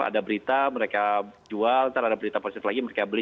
ada berita mereka jual nanti ada berita positif lagi mereka beli